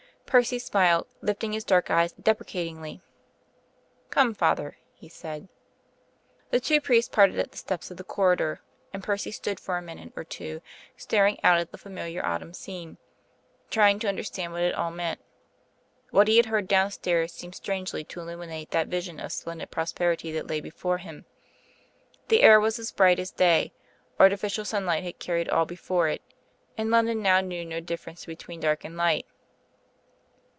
Percy smiled, lifting his dark eyebrows deprecatingly. "Come, father," he said. The two priests parted at the steps of the corridor, and Percy stood for a minute or two staring out at the familiar autumn scene, trying to understand what it all meant. What he had heard downstairs seemed strangely to illuminate that vision of splendid prosperity that lay before him. The air was as bright as day; artificial sunlight had carried all before it, and London now knew no difference between dark and light.